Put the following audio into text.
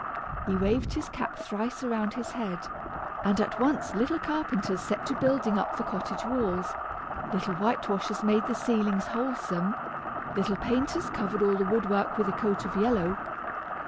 He waved his cap thrice around his head, and at once little carpenters set to building up the cottage walls, little whitewashers made the ceilings wholesome, little painters covered all the woodwork with a coat of yellow.